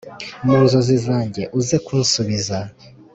Munzozi zanjye uze kunsubiza